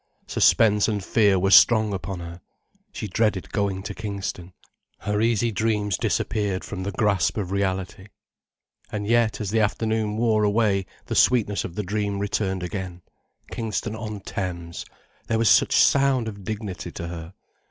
Suspense and fear were strong upon her. She dreaded going to Kingston. Her easy dreams disappeared from the grasp of reality. And yet, as the afternoon wore away, the sweetness of the dream returned again. Kingston on Thames—there was such sound of dignity to her.